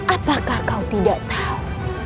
apakah kau tidak tau